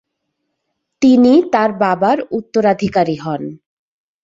তিনি তার বাবার উত্তরাধিকারী হন।